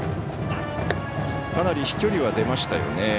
かなり飛距離は出ましたよね。